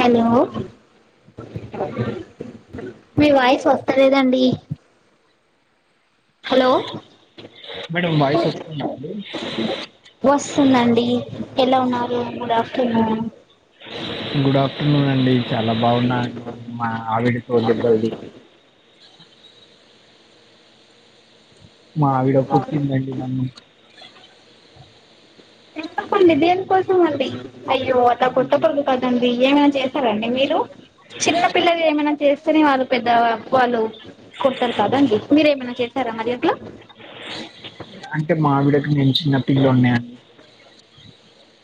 Hello మీ voice వస్తాలేదండి. Hello madam voice వస్తుందా అండి వస్ స్తుందండి ఎలా ఉన్నారు గుడ్ ఆఫ్టర్నూన్ గుడ్ ఆఫ్టర్నూన్ అండి చాలా బావున్నాండి మా ఆవిడతో దెబ్బలు తిని మావిడ కుట్టిందండి నన్ను ఎప్పండి దేనికోసం అండి అయ్యో అట్ల కొట్టకూడదు కదండి. ఏమేమి చేస్తారండి మీరు? చిన్న పిల్లలు ఏమైనా చేస్తేనే వాళ్ళు పెద్ద వాళ్ళు కొడతారు కాదండి మీరెమైనా చేస్తే సారు మరి అట్ల సూసి అంటే మావిడకి నేను చిన్న పిల్లోనండి.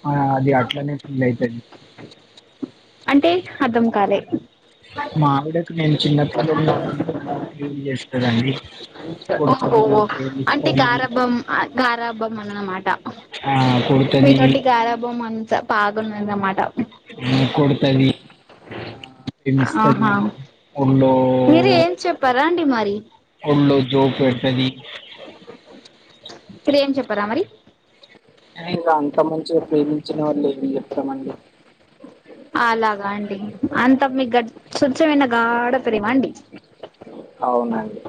ఆ అది అట్లనే ఫీల్ అయితది. అంటే అర్థం కాలే మావిడకి నేను చిన్నపిల్లోడు ల ట్రీట్ చేస్తదండి ఓహో అంటే గారాబం గారాబమ్ అనమా కొడుతుంది మీతోటి గరాభం అంత బాగున్నద అనమాట కొడతది ఆ విమస్తది వల్లో మీరే ఏం చెప్పారా అండి మరి? వళ్ళో జోపేడతది ఇప్పుడు ఏం చెప్పారా మరి? ఇంక అంత మంచిగా ప్రేమించిన వాళ్లు ఏమి చెప్తామండి. అలాగా అండి అంత మీకు గడ్ స్వచ్ఛమైన గాడ ప్రేమ అండి. అవునండి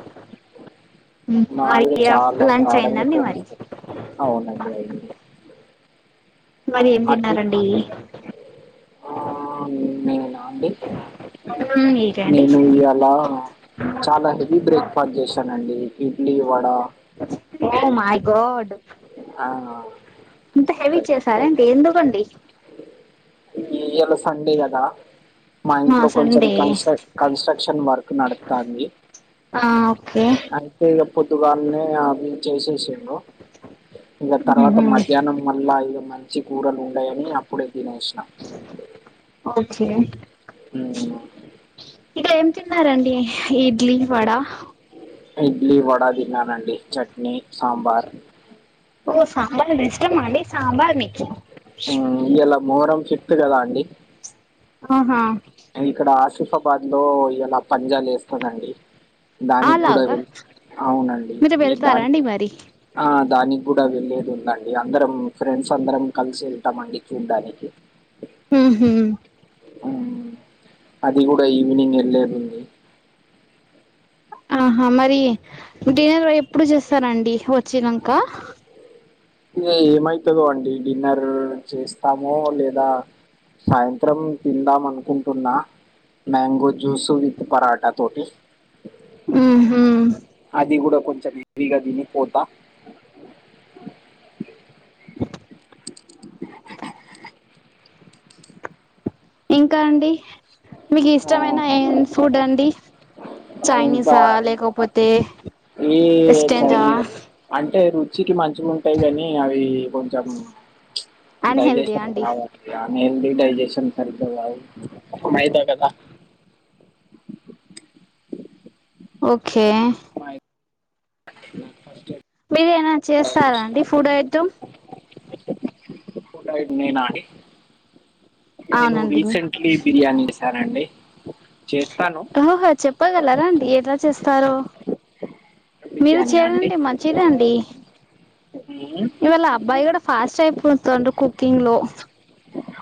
మరి మావిడ చాలా లంచ్ గడంగా అయిందండి మరి ప్రేమిస్తారు అవునండి అయి అది ఏం అట్లే తిన్నారండి ఆ నేనా అండి మీరే అండి నేను ఇయాల చాలా హెవీ బ్రేక్ఫాస్ట్ చేసానండి డివాడ ఓ మై డ్ ఆ, ఇంత హెవీ క- చేసారంటే ఎందు ప్పండి ఇయాల సండే కదా మా ఆహా ఇంట్లో కొంచెం సండే కన్స్ట కన్స్ట్రక్షన్ వర్క్ నడతాంది ఆ అంటే ఇంకా పోదుగానే చేసేసిరు ఇంకా తర్వాత మధ్యాహ్నం మళ్ళా మంచి కూరలు ఉన్నాయని అప్పుడే తినేసినం ఓకే ఉమ్, ఇక్క ఏం తిన్నారండి ఇడ్లీ వడ ఇడ్లీ వడా తిన్నానుండి చట్నీ సాంబార్ ఓ సాంబార్ ఇష్టమా అండీ సాంబార్ మీకూ హ్మ్. ఇయాల మొహరం ఫిఫ్త్ కదా అండి. ఆహా ఇక్కడ ఆసిఫాబాద్ లో ఇలా పంజాలు వేస్తానండి దానికి కూడా అలాగా వె అవునండి మీరు ఈ వెళ్తారా దాని అండి మరి ఆ దానికి కూడా వెళ్లేది ఉందండి అందరం ఫ్రెండ్స్ అందరం కలిసి వెళ్తామండి చూడ్డానికి ఉహుమ్ హ్మ్. అది కూడా ఈవినింగ్ వెళ్ళదు ఉంది ఆహా మరి డిన్నర్ ఎప్పుడు చేస్తారండి వచ్చినాక ఇ ఏమైతుందో అండి డిన్నర్ చేస్తామో లేదా సాయంత్రం తిందాం అనుకుంటున్నా మ్యాంగో జ్యూస్ విత్ పరాటా తోటీ ఉహు అది కూడా కొంచెం హెవీగా తినిపోతా [inaudible] ఇంకా అండి మీకు ఆ! ఇష్టమైన ఏ ఫుడ్ అండి ఆ! ఇంకా చైనీసా లేకపోతే ఈ వెస్టర్న్దా చైనస్ అంటే ర మచ్చికి మంచిగా ఉంటాయి కాని అవి కొంచెం అన్ హెల్తీ ఆ డైజషన్ అండి హ డైజషన్ స ఓక మైదా కదా ఓకే ఫస్ మీరు ఏనా చేస్తారా అండి ఫుడ్ ఐటమ్ నేనాడి నేను అవునండి రీసెంట్లీ బిర్యానీ చేసానండి ఓహో చెప్పగలరా అండి ఎట్లా చేస్తారో మీరు బిర్యానీ అండి చేయడండి మంచిదండి ఉమ్, ఇవాళ అబ్బాయి కూడా ఫాస్ట్ అయిపోతుండ కుకింగ్ లో అ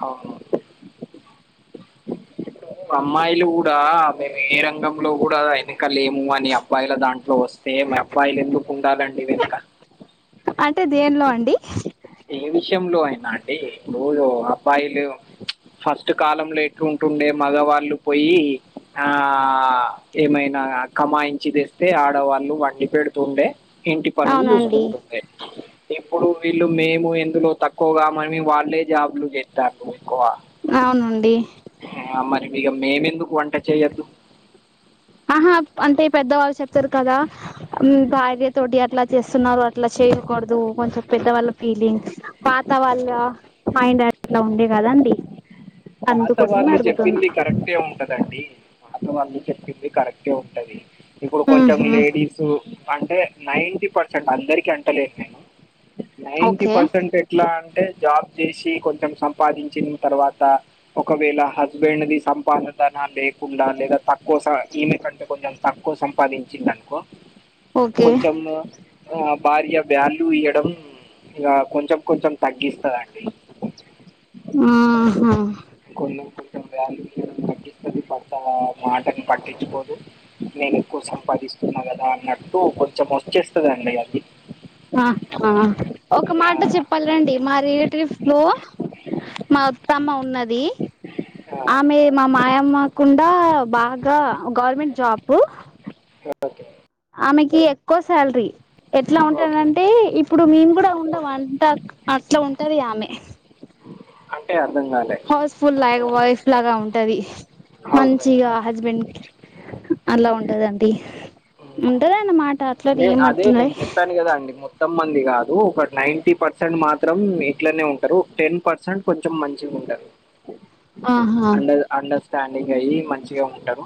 అమ్మాయిలు కూడా మేము ఏ రంగంలో కూడా అయిన వెనకలేము అని అబ్బాయిల దాంట్లో వస్తే మా అబ్బాయిలు ఎందుకు ఉండాలండి వెనుక అంటే దేనిలో అండి విషయంలో అయిన అండి రోజు అబ్బాయిలు ఫస్ట్ కాలంలో ఎట్లుంటుండే మగవాళ్ళు పోయి ఆ ఏమైనా కమాయించి తెస్తే ఆడవాళ్ళు వండి పెడుతుండే ఇంటి పనులు అవునండి చూస్తుంటుంది ఇప్పుడు వీళ్ళు మేం ఎందులో తక్కువగా మని వాళ్ళే జాబ్లు జెత్తరు అవునండి ఇగ మేము ఎందుకు వంట చేయొద్దు అహా అంటే పెద్దవాళ్ళు చెప్తరు కదా భార్య తోటి అట్ల చేస్తున్నారు అట్లా చె చేయకూడదు కొంచెం పెద్దవాళ్ళ ఫీలింగ్ పాత వాళ్ళ మైండ్ అట్ల ఉండే కదా డి పాత వాళ్ళు జెప్పింది కరెక్టే ఉంటదండి అందు చెప్పింది కరెక్టే ఉంటది ఇప్పుడు కొంచెం ఉహు లేడీసు అంటే నైటీ పర్సెంట్ అందరికి అంటలే నేను నైన్టీ ఓకే పర్సెంట్ ఎట్లా అంటే జాబ్ జేసి కొంచెం సంపాదించిన్ తర్వాత ఒకవేళ హస్బెండ్ ని సంపాదదన లే కుండా లేదా తక్కువ సా ఈమె కంటే కొంచెం తక్కువ సంపాదించింది అనుకో ఓకే కొంచెం ఆ భార్య బ్యాల్యూ ఇయ్యడం ఇగ కొంచెం కొంచెం తగ్గిస్తదండి ఆహా కొంచెం వాల్యూ ఇయ్యడం తగ్గిస్తది మాటని పట్టించుకోదు నేను ఎక్కువ సంపాదిస్తున్నా కదా అన్నట్టు కొంచెం వచ్చేస్తది అండి అది ఆ ఆ ఒక ఆ, మాట చెప్పాలండి మా రిలేట్రిప్ లో మా అత్తమ్మ ఉన్నది ఆ, ఆమె మా మాయమ్మకుండా బాగా గవర్నమెంట్ జాబు ఓకే ఆమెకి ఎక్కువ శాలరీ ఎట్లా ఉంటది ఓకే అంటే ఇప్పుడు మేము కూడా ఉండం అంతా అట్ల ఉం ఉంటది ఆమే అంటే అర్థం కాలే హౌస్ ఫుల్ లా వైఫ్ లాగా ఉంటది అవును మంచిగా హస్బెండ్ కి అలా ఉంటదండి ఉంటదనమా నే అదే నేను చెప్పాను కదా అండి మొ మొత్తం మంది కాదు ఒక నైన్టీ పర్సెంట్ మాత్రం ఇట్లనే ఉంటరు టెన్ పర్సెంట్ కొంచెం మంచిగ ఉండరు ఆహా అండర్ అండర్స్టాండింగ్ అయ్యి మంచిగ ఉంటరు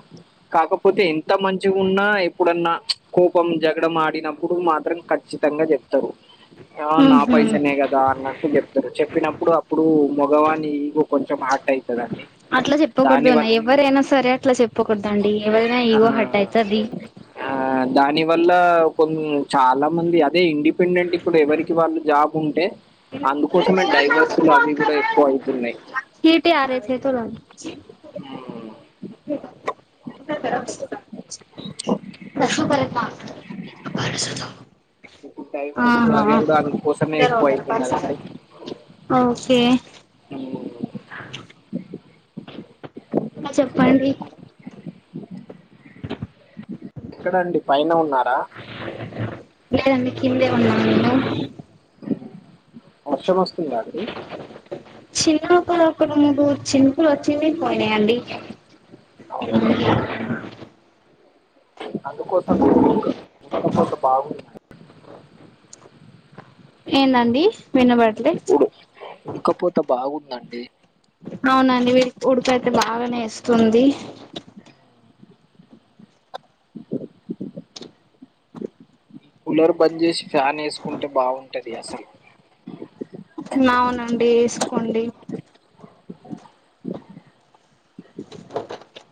కాకపోతే ఎంత మంచిగున్నా ఎప్పుడన్నా కోపం జగడం ఆడినప్పుడు మాత్రం ఖచ్ కచ్చితంగా చెప్తరు ఆ నా ఉహు పైసనే కదా అన్నట్టు జెప్తరు చెప్పినప్పుడు అప్పుడు మొగవాని ఈగో కొంచెం హాట్ అయతదండి అట్ల చెప్పకూడదు అన్నా ఎవరైనా సరే అట్లా చెప్పకూడదు అండి ఎవరైనా ఈగో హర్ట్ ఆ అయితది ఆ దాని వల్ల కొం చాలా మంది అదే ఇండిపెండెంట్ ఇప్పుడు ఎవరికి వాళ్ళు జాబ్ ఉంటే అందుకోసమే డైవర్సులు అవి కూడా ఎక్కువ అయితున్నాయ్ చీటీ ఆరే చేతులో దాస్రూపే లేత ఇప్పుడు డైవర్స్ ఆహా అవి గూడా అందుకోసమే ఎక్కువ జరూరు పైసా అయితున్నదండి. ఓకే హ్మ్. ఇంకా చెప్పండి ఎక్కడండి పైన ఉన్నారా లేదండి కిందే ఉ వర్షం వస్తుందా అండి చిన్నగ ఒక రెండు మూడు చిన్కులు చింనాయ్ పోని అండి అవునా అండి. అందుకోసం మేము ఒక్క ఉక్క పోత బాగుందండి ఏంటండి ఇపుడు ఉక్కపోతే బాగుందండి అవునండి వీడికి ఉడకైతే బాగానే వేస్తుంది కూలర్ బంద్ చేసి ఫ్యాన్ వేసుకుంటే బాగుంటది అసలు అవునండి వేసుకోండి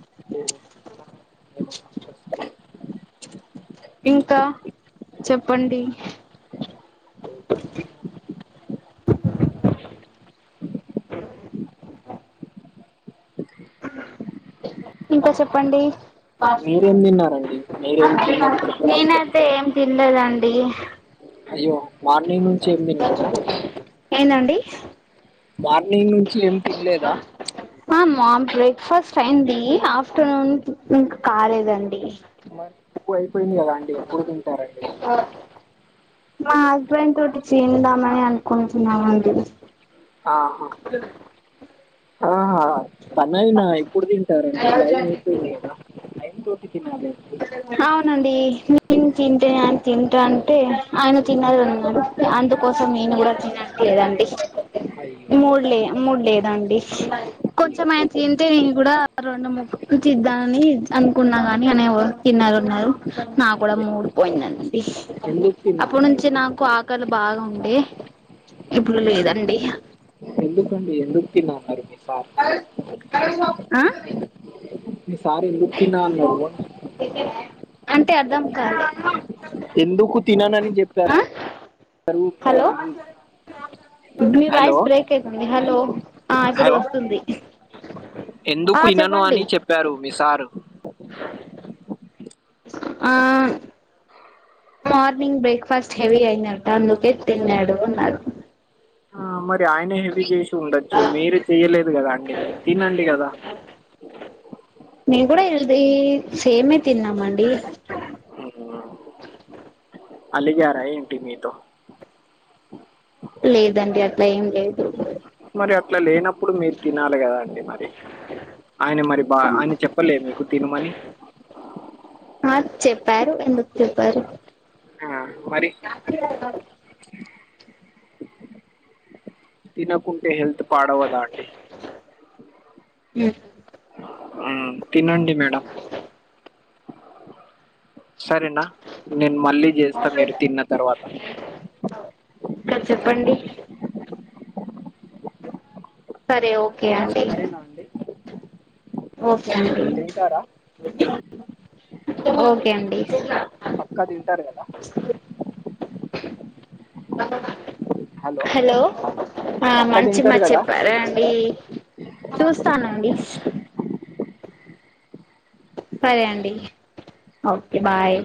సంతో ఇంకా చెప్పండి ఇంకా చెప్పండి మీరేం తిన్నారండి మీరేం తిన్నది చెప్పలేదు నేనైతే ఏం తిన్లేదండి అయ్యో మార్నింగ్ నుంచి ఏమి తిన్లేదా ఏందండి మార్నింగ్ నుంచి ఏం తిన్లేదా ఆ మామ్ బ్రేక్ఫాస్ట్ అయింది ఆఫ్టర్నూన్ ఇంకా కాలేదండి మరి అపుడు అయిపోయింది కదా అండి ఇప్పుడు తి మా హస్బెండ్ తోటి తిందామని అంన్ అనుకుంటున్న అండి ఆహా ఆహా పనయినా ఎప్పుడు తింటారండి టైం అయిపోయింది కదా టైం కి తినాలే అవునండి నేన్ తింటేనే అయన తింటా అం అంటే ఆయన తిన్నారున్నా అందుకోసం నేను కూడా తినట్లేదండి అయ్యో మూడు లే మూడు లేదండి అయ్యో కొంచెం ఆ తింటే నేను కూడా రెండు ముద్దలు తిందామని అనుకున్నా గాని అయన తినను అన్నారు నా కూడా మూడు పోయిందండి ఎందుకు తినా అప్పుడు అన్నారు నుంచి నాకు ఆకలి బాగా ఉండే ఇప్పుడు లేదండి ఎందుకండి ఎందుకు తిన్నామన్నారు మీ సార్ ఆ మీ సారు ఎందుకు తినా అన్నారు అంటే అర్థం కాలే ఎందుకు తిననని ఆ చెప్పారూ మీ హలో సారు మీ వాయిస్ బ్రేక్ అయితుంది హలో ఆ ఇప్పుడు హలో వస్తుంది ఆ ఎందుకు ఇనను చెప్పండి అని చెప్పారు మీ సార్ ఆ మార్నింగ్ బ్రేక్ఫాస్ట్ హెవీ అయిందట అందుకే తిన్నాను అనాడు ఆ మరి ఆయన హెవీ చేసి ఉండొచ్చు మీరు చెయ్యలే అంతే కదా అండి మీరు తినండి కదా నేను కూడా హెల్ది సేమే తిన్నాము అండి అలిగారా ఏంటి మీతో లేదండి అట్లా ఏం లేదు మరి అట్లా లేనప్పుడు మీరు తినాలి కదా అండి మరి ఆయన మరి బా ఆయన చెప్పలే మీకు తినమని ఆ చెప్పారు ఎందుకు చెప్పరు ఆ మరి [inaudible] తినకుంటే హెల్త్ పాడవదా అండి మ్ ఆ తినండి మేడం సరేనా నేను మళ్ళీ చేస్తా మీరు తిన్న తర్వాత ఇంకా చెప్పండి సరే ఓకే అండి సరేనా అండి ఓకే అడి తింటారా ఓకే అండి పక్కా తింటారు కదా హలో ఆ పక్క మంచిమట తింటారు కదా చెప్పారా అండి చూస్తానండి సరే అండి ఓకే బాయ్